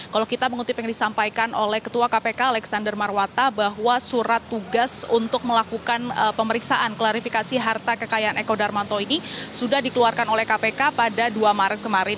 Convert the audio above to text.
kalau kita mengutip yang disampaikan oleh ketua kpk alexander marwata bahwa surat tugas untuk melakukan pemeriksaan klarifikasi harta kekayaan eko darmanto ini sudah dikeluarkan oleh kpk pada dua maret kemarin